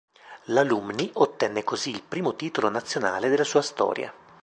L'Alumni ottenne così il primo titolo nazionale della sua storia.